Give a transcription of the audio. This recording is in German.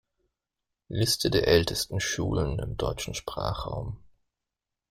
Liste der ältesten Schulen im deutschen Sprachraum